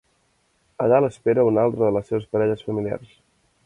Allà l'espera una altra de les seves parelles familiars.